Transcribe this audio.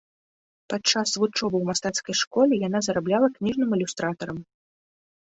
Падчас вучобы ў мастацкай школе яна зарабляла кніжным ілюстратарам.